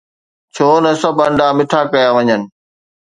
ڇو نه سڀ انڊا مٺا ڪيا وڃن؟